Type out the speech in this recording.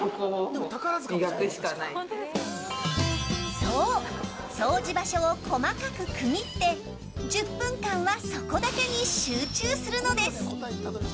そう、掃除場所を細かく区切って１０分間はそこだけに集中するのです。